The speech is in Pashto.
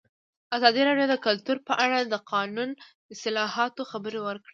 ازادي راډیو د کلتور په اړه د قانوني اصلاحاتو خبر ورکړی.